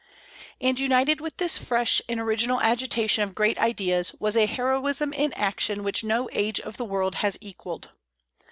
And united with this fresh and original agitation of great ideas was a heroism in action which no age of the world has equalled.